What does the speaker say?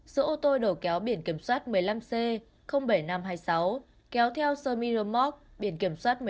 giữa ô tô đổ kéo biển kiểm soát một mươi năm c bảy nghìn năm trăm hai mươi sáu kéo theo serminomoc biển kiểm soát một mươi năm h tám trăm chín mươi sáu